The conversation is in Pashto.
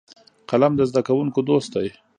قلم د زده کوونکو دوست دی